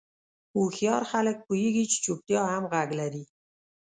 هوښیار خلک پوهېږي چې چوپتیا هم غږ لري.